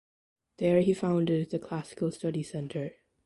There he founded the Classical Studies Center.